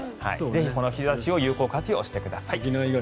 ぜひこの日差しを有効活用してください。